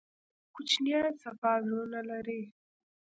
کوچنیان صفا زړونه لري